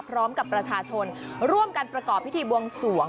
พร้อมกับประชาชนร่วมกันประกอบพิธีบวงสวง